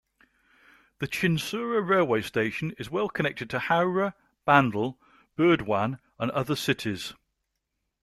The Chinsurah railway station is well connected to Howrah, Bandel, Burdwan, and other cities.